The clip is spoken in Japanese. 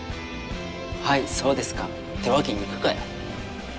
「はいそうですか」ってわけにいくかよ。